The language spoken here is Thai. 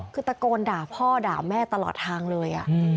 คือตะโกนด่าพ่อด่าแม่ตลอดทางเลย